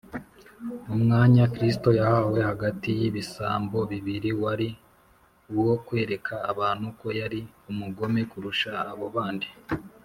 umwanya kristo yahawe hagati y’ibisambo bibiri wari uwo kwereka abantu ko yari umugome kurusha abo bandi